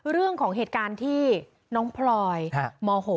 เรื่องของเหตุการณ์ที่น้องพลอยม๖